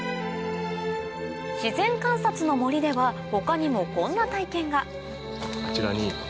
自然観察の森では他にもこんな体験があちらに。